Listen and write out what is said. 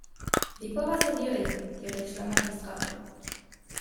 Vi povas eliri, diris la magistrato.